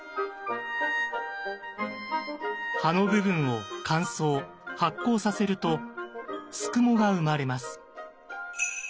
葉の部分を乾燥発酵させると「すくも」が生まれます。